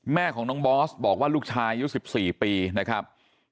แม่ของน้องบอสบอกว่าลูกชายอายุ๑๔ปีนะครับ